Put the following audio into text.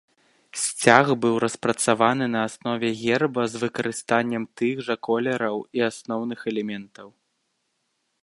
Сцяг быў распрацаваны на аснове герба з выкарыстаннем тых жа колераў і асноўных элементаў.